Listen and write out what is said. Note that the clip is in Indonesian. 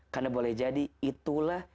karena boleh jadi itulah